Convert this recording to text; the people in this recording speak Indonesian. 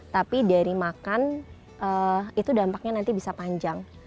tapi dari makan itu dampaknya nanti bisa panjang